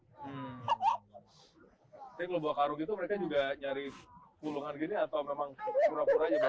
tapi kalau bawa karung gitu mereka juga nyari bulungan gini atau memang pura pura aja